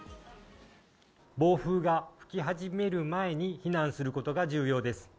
暴風が吹き始める前に避難することが重要です。